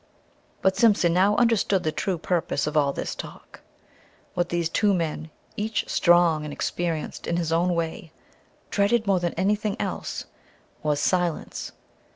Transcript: But Simpson now understood the true purpose of all this talk. What these two men, each strong and "experienced" in his own way, dreaded more than anything else was silence.